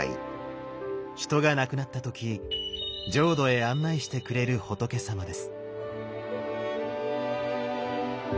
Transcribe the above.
人が亡くなった時浄土へ案内してくれる仏様です。